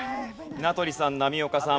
名取さん波岡さん